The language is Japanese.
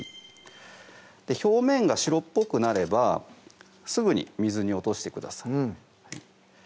表面が白っぽくなればすぐに水に落としてください